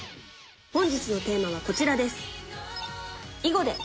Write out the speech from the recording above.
本日のテーマはこちらです。